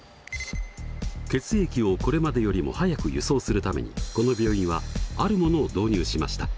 血液をこれまでよりも早く輸送するためにこの病院はあるものを導入しました。